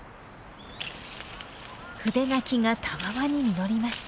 筆柿がたわわに実りました。